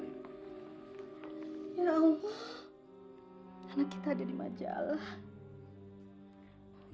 anak kita ada di majalah